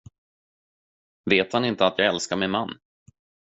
Vet han inte att jag älskar min man?